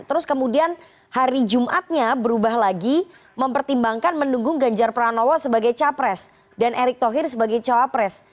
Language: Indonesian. terus kemudian hari jumatnya berubah lagi mempertimbangkan mendukung ganjar pranowo sebagai capres dan erick thohir sebagai cawapres